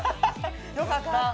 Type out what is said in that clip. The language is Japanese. よかった。